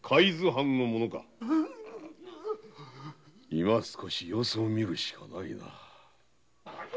今すこし様子を見るしかないな。